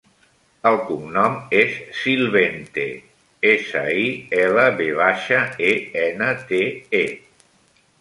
El cognom és Silvente: essa, i, ela, ve baixa, e, ena, te, e.